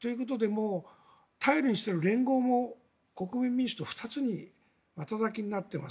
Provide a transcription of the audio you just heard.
ということで、頼りにしている連合も国民民主と２つに股裂けになっています。